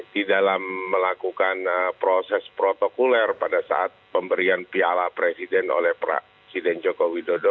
di dalam melakukan proses protokoler pada saat pemberian piala presiden oleh presiden joko widodo